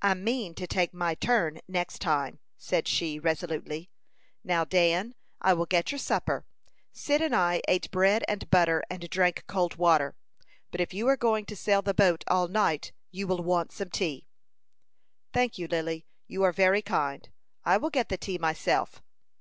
"I mean to take my turn next time," said she, resolutely. "Now, Dan, I will get your supper. Cyd and I ate bread and butter, and drank cold water; but if you are going to sail the boat all night, you will want some tea." "Thank you, Lily; you are very kind. I will get the tea myself."